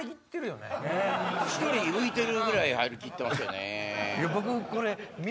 １人浮いてるぐらい張り切ってますよね。